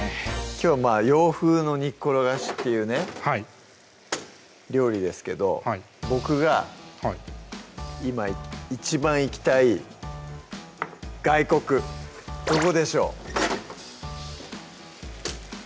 きょう「洋風の煮っころがし」っていう料理ですけど僕が今一番行きたい外国どこでしょう？